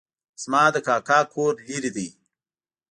زما د کاکا کور لرې ده